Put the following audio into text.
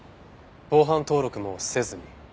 防犯登録もせずに？